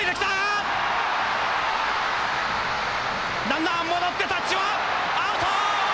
ランナー戻ってタッチはアウト！